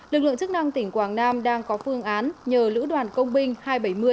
lực lượng chức năng tỉnh quảng nam đang có phương án nhờ lữ đoàn công binh hai trăm bảy mươi